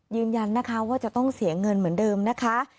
ยืนยันนะคะว่าจะต้องเสียเงินเหมือนเดิมนะคะ